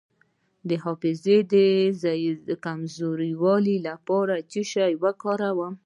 د حافظې د کمزوری لپاره باید څه شی وکاروم؟